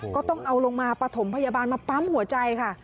ก็ต้องเอาลงมาปฐมพยาบาลมาปั๊มหัวใจค่ะ